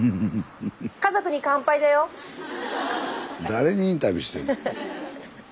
誰にインタビューしてんねん。